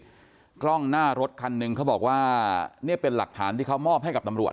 กล้องหน้ารถคันหนึ่งเขาบอกว่าเนี่ยเป็นหลักฐานที่เขามอบให้กับตำรวจ